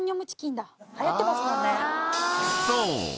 ［そう。